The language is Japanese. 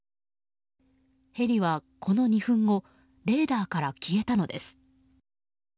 ヘリはこの２分後レーダーから消えたのです。